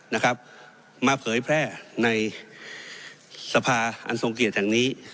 นะครับมาเผยแพร่ในสภาอันทรงเกียรติแห่งนี้